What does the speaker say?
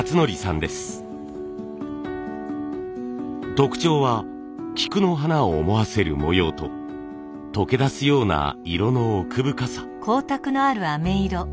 特徴は菊の花を思わせる模様と溶け出すような色の奥深さ。